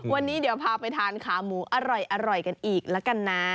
วันนี้เดี๋ยวพาไปทานขาหมูอร่อยกันอีกแล้วกันนะ